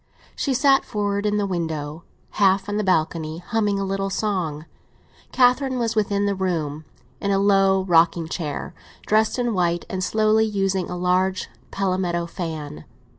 She sat forward in the window, half on the balcony, humming a little song. Catherine was within the room, in a low rocking chair, dressed in white, and slowly using a large palmetto fan.